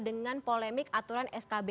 dengan polemik aturan skb